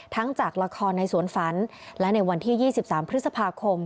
จากละครในสวนฝันและในวันที่๒๓พฤษภาคม